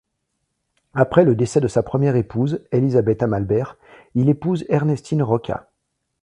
Après le décès de sa première épouse, Élisabeth Amalbert, il épouse Ernestine Roccas.